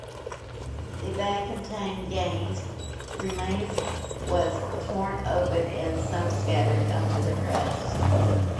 The bag containing Gaines' remains was torn open and some scattered onto the grass.